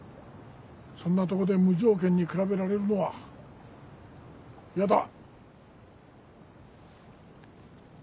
そんなとこで無条件に比べられるのは嫌だ。